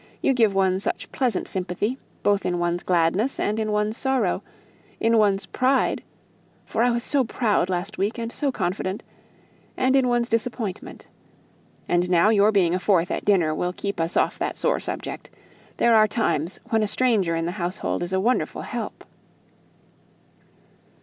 You give one such pleasant sympathy, both in one's gladness and in one's sorrow; in one's pride (for I was so proud last week, so confident), and in one's disappointment. And now your being a fourth at dinner will keep us off that sore subject; there are times when a stranger in the household is a wonderful help."